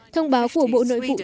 thông báo của bộ nội vụ thụy điển